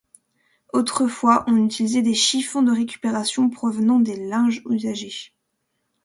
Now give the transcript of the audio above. Autrefois, on utilisait des chiffons de récupération provenant de linges usagés.